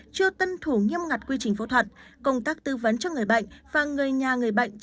chưa tân thủ nghiêm ngặt quy trình phẫu thuật công tác tư vấn cho người bệnh và người nhà người bệnh